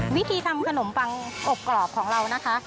วิธีทำขนมปังอบกรอบของเรานะคะ